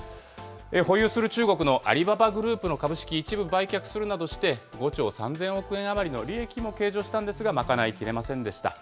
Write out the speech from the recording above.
保有する中国のアリババグループの株式、一部売却するなどして、５兆３０００億円余りの利益も計上したんですが、賄いきれませんでした。